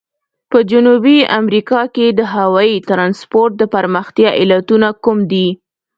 په جنوبي امریکا کې د هوایي ترانسپورت د پرمختیا علتونه کوم دي؟